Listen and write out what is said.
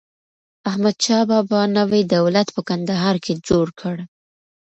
احمدشاه بابا نوی دولت په کندهار کي جوړ کړ.